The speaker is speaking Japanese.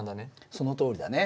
そのとおりだね。